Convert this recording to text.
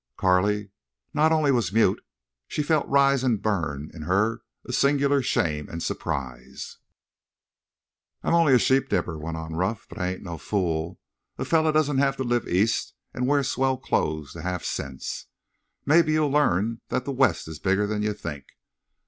Carley not only was mute; she felt rise and burn in her a singular shame and surprise. "I'm only a sheep dipper," went on Ruff, "but I ain't no fool. A fellar doesn't have to live East an' wear swell clothes to have sense. Mebbe you'll learn thet the West is bigger'n you think.